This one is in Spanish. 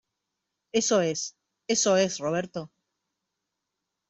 eso es. eso es, Roberto .